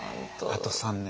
あと３年。